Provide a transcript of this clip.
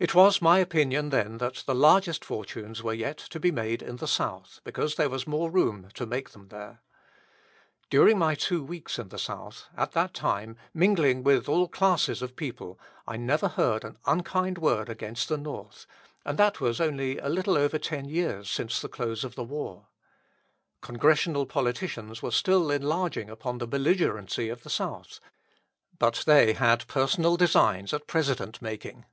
It was my opinion then that the largest fortunes were yet to be made in the South, because there was more room to make them there. During my two weeks in the South, at that time, mingling with all classes of people, I never heard an unkind word against the North, and that only a little over ten years since the close of the war. Congressional politicians were still enlarging upon the belligerency of the South, but they had personal designs at President making.